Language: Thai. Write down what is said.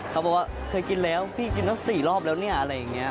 เขาบอกว่าเคยกินแล้วพี่กินตั้ง๔รอบแล้วเนี่ยอะไรอย่างนี้